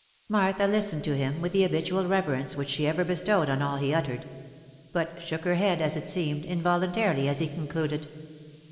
Martha listened to him with the habitual reverence which she ever bestowed on all he uttered ; but shook her head, as it seemed, involun tarily, as he concluded.